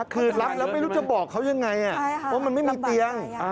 คือรับแล้วไม่รู้จะบอกเขายังไงว่ามันไม่มีเตียง